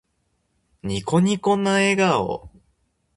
ニコニコな笑顔。